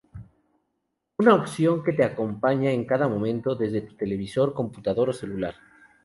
Una opción que te acompaña en cada momento desde tu televisor, computador o celular.